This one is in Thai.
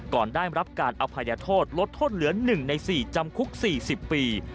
ก่อนได้รับการอภัยโทษลดโทษเหลือ๑ใน๔จำคุก๔๐ปี